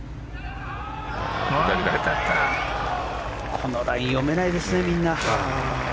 このラインは読めないですね。